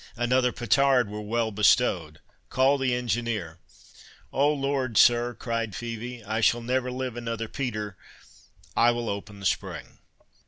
another petard were well bestowed— Call the engineer." "O Lord, sir," cried Phœbe, "I shall never live another peter—I will open the spring."